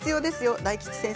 大吉先生